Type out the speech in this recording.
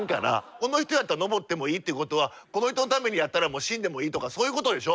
この人やったら登ってもいいっていうことはこの人のためにやったらもう死んでもいいとかそういうことでしょ？